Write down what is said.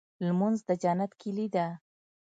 لمونځ د جنت کيلي ده.